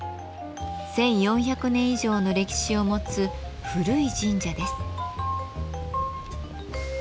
１，４００年以上の歴史を持つ古い神社です。